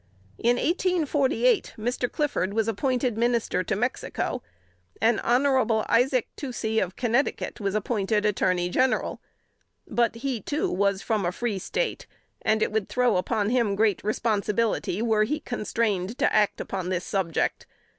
In 1848 Mr. Clifford was appointed Minister to Mexico, and Hon. Isaac Toucey, of Connecticut, was appointed Attorney General. But he, too, was from a free State, and it would throw upon him great responsibility were he constrained to act upon this subject.